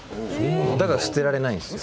だから捨てられないんですよ。